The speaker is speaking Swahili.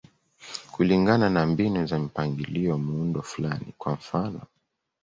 Kulingana na mbinu za mpangilio, muundo fulani, kwa mfano.